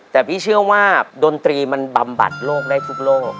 แต่พี่เชื่อว่าดนตรีมันบำบัดโลกได้ทุกโลก